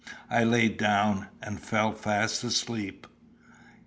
I lay down and fell fast asleep.